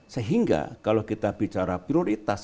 sehingga kalau kita bicara prioritas